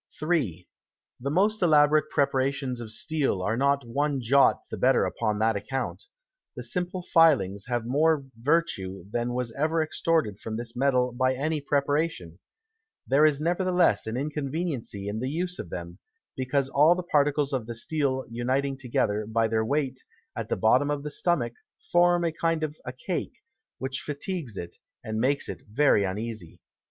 3. The most elaborate Preparations of Steel, are not one jot the better upon that account; the simple Filings have more Vertue than was ever extorted from this Metal by any Preparation: there is nevertheless an Inconveniency in the Use of them, because all the Particles of the Steel uniting together, by their Weight, at the bottom of the Stomach, form a kind of a Cake, which fatigues it, and makes it very uneasy.